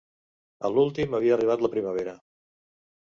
A l'últim havia arribat la primavera